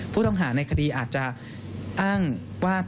ผู้ต้องหาในคดีอาจจะอ้างว่า